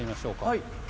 はい。